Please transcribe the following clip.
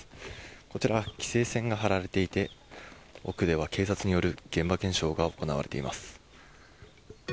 こちら、規制線が張られていて、奥では警察による現場検証が行われています。